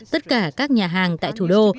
tất cả các nhà hàng tại thủ đô